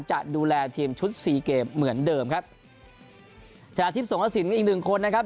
จะดูแลทีมชุดสี่เกมเหมือนเดิมครับชนะทิพย์สงกระสินอีกหนึ่งคนนะครับ